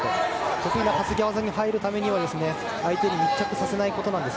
得意な担ぎ技に入るためには相手に密着させないことです。